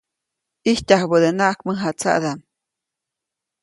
ʼIjtyajubädenaʼajk mäjatsaʼdaʼm.